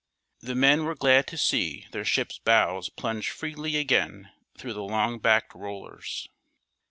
The men were glad to see their ship's bows plunge freely again through the long backed rollers.